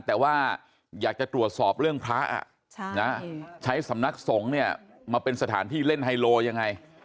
แต่ว่าอยากจะตรวจสอบเรื่องพระใช้สำนักสงฆ์เนี่ยมาเป็นสถานที่เล่นไฮโลยังไง